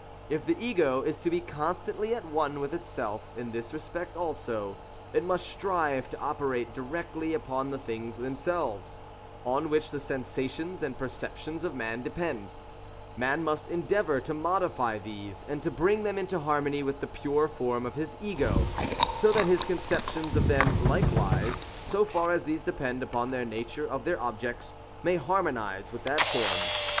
If the Ego is to be constantly at one with itself in this respect also, it must strive to operate directly upon the things themselves, on which the sensations and perceptions of man depend; — man must endeavour to modify these, and to bring them into harmony with the pure form of his Ego, so that his conceptions of them likewise, so far as these depend upon the nature of their objects, may harmonize with that form.